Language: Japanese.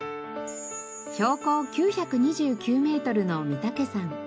標高９２９メートルの御岳山。